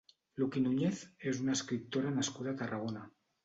Luchy Núñez és una escriptora nascuda a Tarragona.